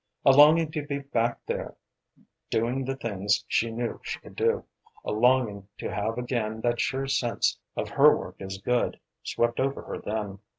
A longing to be back there doing the things she knew she could do, a longing to have again that sure sense of her work as good, swept over her then.